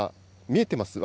見えてますよ。